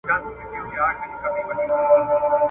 سل ځله په دار سمه، سل ځله سنګسار سمه ,